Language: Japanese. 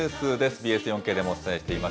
ＢＳ４Ｋでもお伝えしています。